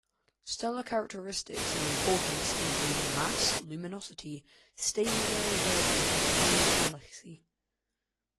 Stellar characteristics of importance include mass and luminosity, stable variability, and high metallicity.